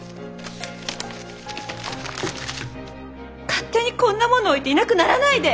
勝手にこんなもの置いていなくならないで。